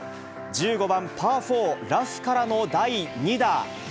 １５番パー４、ラフからの第２打。